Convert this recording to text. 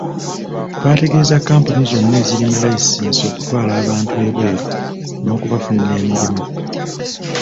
Twategeeza kkampuni zonna ezirina layisinsi okutwala abantu ebweru n'okubafunira emirimu.